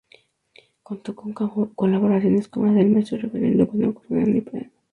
Contó con colaboraciones como la del Maestro Reverendo con acordeón y piano.